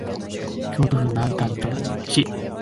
京都府南丹市